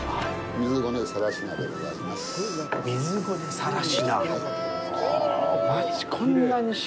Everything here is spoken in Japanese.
水捏更科でございます。